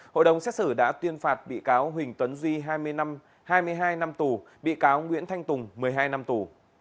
hội đồng xét xử đã tuyên phạt bị cáo huỳnh tuấn duy hai mươi hai năm tù bị cáo nguyễn thanh tùng một mươi hai năm tù